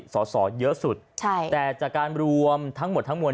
สอสอเยอะสุดแต่จากการรวมทั้งหมดทั้งมวล